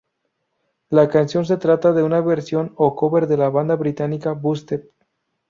La canción se trata de una versión o cover de la banda británica Busted.